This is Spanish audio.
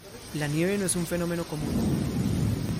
La nieve no es un fenómeno común.